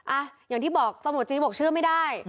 อ่ะอย่างที่บอกตำรวจจี้บอกเชื่อไม่ได้